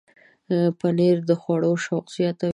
پنېر د خوړو شوق زیاتوي.